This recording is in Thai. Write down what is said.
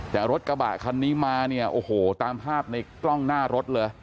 แต่รถกระบะคันนี้มาตามภาพในกล้องหน้ารถเหรอ